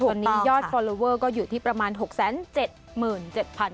วันนี้ยอดฟอลลอเวอร์ก็อยู่ที่ประมาณ๖๗๗๐๐บาท